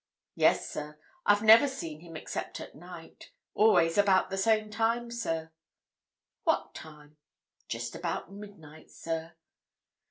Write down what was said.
"Yes, sir. I've never seen him except at night. Always about the same time, sir." "What time?" "Just about midnight, sir."